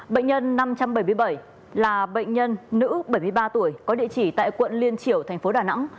bệnh nhân năm trăm bảy mươi bảy là bệnh nhân nữ bảy mươi ba tuổi có địa chỉ tại quận liên triểu thành phố đà nẵng